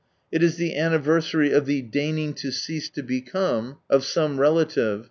It is the anniversary of the "deigning to cease to become" of brom sunrise .